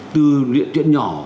từ chuyện nhỏ